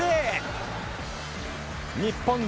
日本。